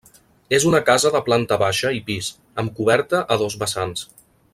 És una casa de planta baixa i pis, amb coberta a dos vessants.